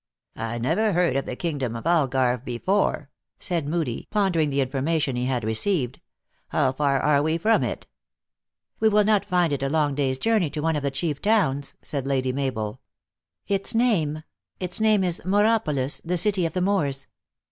" I never heard of the kingdom of Algarve before," said Moodie, pondering the information he had re ceived. " How far are we from it ?"* We will not find it a long day s journey to one of the chief towns," said Lady Mabel. " Its name its name is Mauropolis, the city of the Moors.